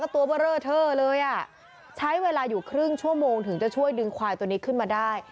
ตัวเบอร์เลอร์เทอร์เลยอ่ะใช้เวลาอยู่ครึ่งชั่วโมงถึงจะช่วยดึงควายตัวนี้ขึ้นมาได้